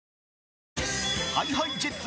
ＨｉＨｉＪｅｔｓ